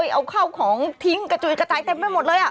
เอาข้าวของทิ้งกระจุยกระจายเต็มไปหมดเลย